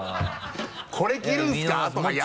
「これ着るんですか？」とか。